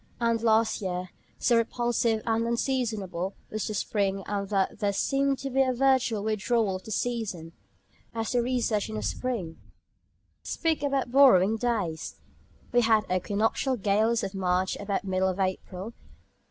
And, last year, so repulsive and unseasonable was the spring, that there seemed to be a virtual "withdrawal" of the season. I wrote on it as "The Recession of Spring." Speak about Borrowing Days! We had the equinoctial gales of March about the middle of April.